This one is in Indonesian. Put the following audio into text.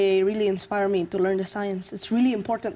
mereka sangat menginspirasi saya untuk belajar sains